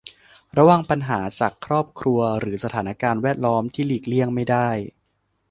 ระวังปัญหาจากครอบครัวหรือสถานการณ์แวดล้อมที่หลีกเลี่ยงไม่ได้